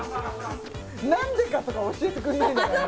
何でかとか教えてくれないんだね